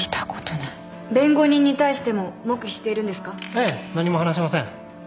ええ何も話しません。